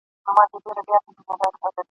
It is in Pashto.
چي پر مځكه انسانان وي دا به كېږي !.